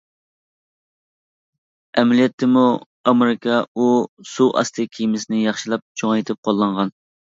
ئەمەلىيەتتىمۇ ئامېرىكا ئۇ سۇ ئاستى كېمىسىنى ياخشىلاپ چوڭايتىپ قوللانغان.